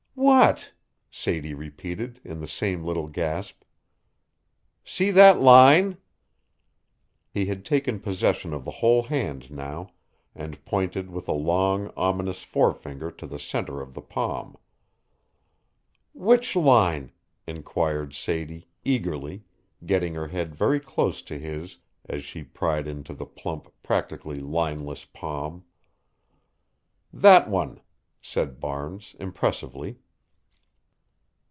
"What?" Sadie repeated, in the same little gasp. "See that line?" He had taken possession of the whole hand now and pointed with a long, ominous forefinger to the centre of the palm. "Which line?" inquired Sadie, eagerly, getting her head very close to his as she pried into the plump, practically lineless palm. "That one," said Barnes, impressively.